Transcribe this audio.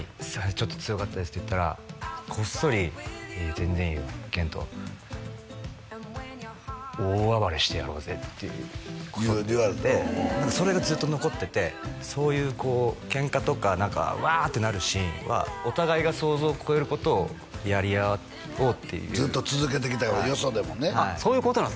ちょっと強かったですって言ったらこっそりいいよ全然いいよ遣都大暴れしてやろうぜってこそっと言われてそれがずっと残っててそういうケンカとかワーッてなるシーンはお互いが想像を超えることをやり合おうっていうずっと続けてきたんやよそでもねそういうことなんですね